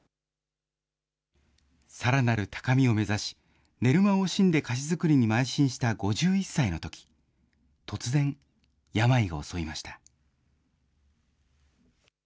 さらなる高みを目指し、寝る間を惜しんで菓子作りにまい進した５１歳のとき、突然、病が襲いました。